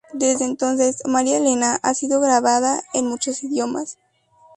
Desde entonces, "María Elena" ha sido grabada en muchos idiomas.